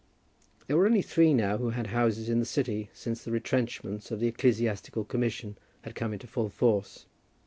There were only three now who had houses in the city since the retrenchments of the ecclesiastical commission had come into full force.